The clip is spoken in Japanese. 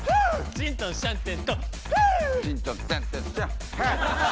ちんとんしゃんてんとんハイ！